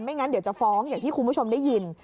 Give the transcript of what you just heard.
งั้นเดี๋ยวจะฟ้องอย่างที่คุณผู้ชมได้ยิน